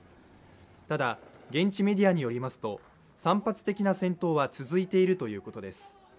ただ、現地メディアによりますと散発的な戦闘は続いているということです。